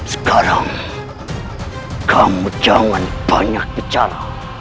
sekarang kamu jangan banyak bicara